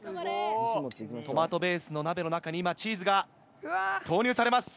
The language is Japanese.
トマトベースの鍋の中に今チーズが投入されます。